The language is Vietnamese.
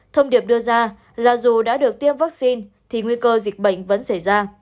thông điệp đưa ra là dù đã được tiêm vaccine thì nguy cơ dịch bệnh vẫn xảy ra